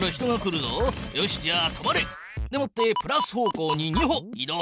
ロボ止まれ！でもってプラス方向に２歩い動！